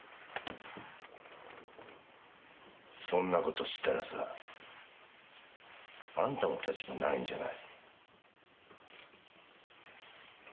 そんなことしたらさあんたも立場ないんじゃない？